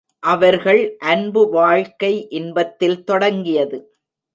அவர்கள் அன்பு வாழ்க்கை இன்பத்தில் தொடங்கியது.